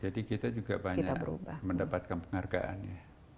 jadi kita juga banyak mendapatkan penghargaan ya